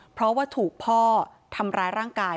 เพราะว่าถูกพ่อทำร้ายร่างกาย